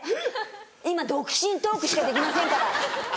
今独身トークしかできませんから。